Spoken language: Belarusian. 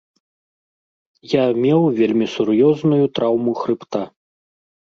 Я меў вельмі сур'ёзную траўму хрыбта.